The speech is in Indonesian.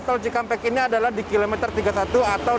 kepolisian kampung jawa barat